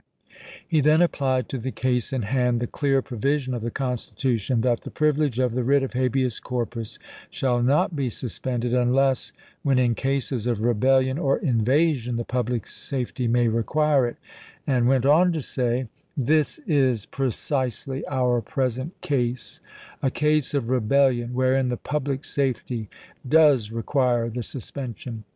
He then applied to the ease in hand the clear provision of the Constitution that, " the privilege of the writ of habeas corpus shall not be sus pended unless, when in cases of rebellion or in vasion, the public safety may require it," and went on to say : This is precisely our present case — a case of rebellion wherein the public safety does require the suspension.